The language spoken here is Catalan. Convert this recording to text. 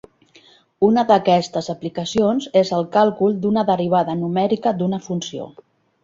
Una d'aquestes aplicacions és el càlcul d'una derivada numèrica d'una funció.